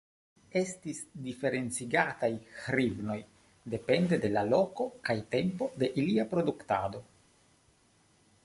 Estis diferencigataj hrivnoj depende de la loko kaj tempo de ilia produktado.